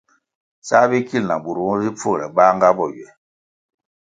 Sál bikil na bur bo nzi pfure bahga bo ywe.